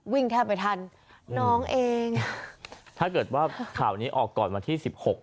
แทบไม่ทันน้องเองถ้าเกิดว่าข่าวนี้ออกก่อนวันที่สิบหก